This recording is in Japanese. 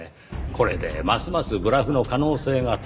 これでますますブラフの可能性が高まった。